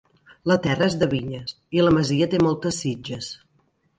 La terra és de vinyes i la masia té moltes sitges.